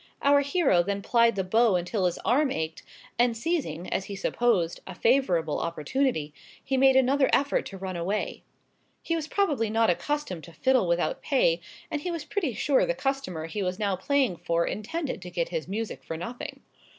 Our hero then plied the bow until his arm ached, and seizing, as he supposed, a favorable opportunity, he made another effort to run away. He was probably not accustomed to fiddle without pay, and he was pretty sure the customer he was now playing for intended to get his music for nothing.